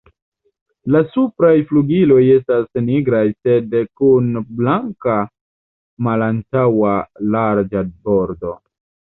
La supraj flugiloj estas nigraj sed kun blanka malantaŭa larĝa bordo.